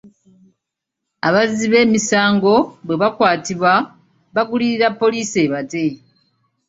Abazzi b'emisango bwe bakwatibwa, bagulirira poliise ebate.